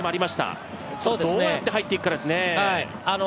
どうやって入っていくかですね。